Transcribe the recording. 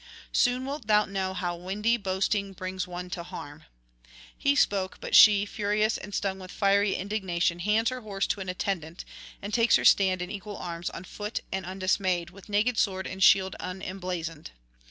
Soon wilt thou know how windy boasting brings one to harm.' He spoke; but she, furious and stung with fiery indignation, hands her horse to an attendant, and takes her stand in equal arms on foot and undismayed, with naked sword and shield unemblazoned.